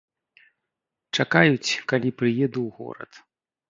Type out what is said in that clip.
Чакаюць, калі прыеду ў горад.